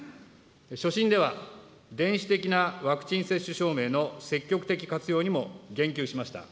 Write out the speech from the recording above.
所信では電子的なワクチン接種証明の積極的活用にも言及しました。